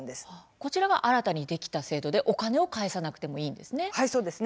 こちらが新たにできた制度でお金を返さなくてもいいんですね。